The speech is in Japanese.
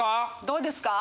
どうですか？